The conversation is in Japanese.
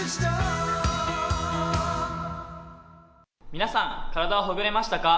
皆さん、体はほぐれましたか？